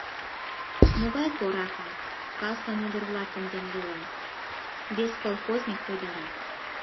— Могай коракым, каслан ӱдыр-влакым ямдыла, — вес колхозник койдара.